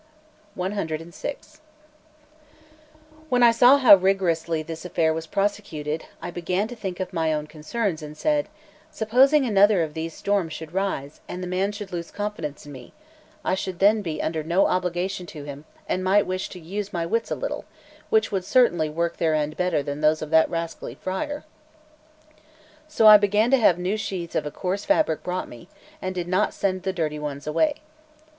CVI WHEN I saw how rigorously this affair was prosecuted, I began to think of my own concerns, and said: "Supposing another of these storms should rise, and the man should lose confidence in me, I should then be under no obligation to him, and might wish to use my wits a little, which would certainly work their end better than those of that rascally friar." So I began to have new sheets of a coarse fabric brought me, and did not send the dirty ones away.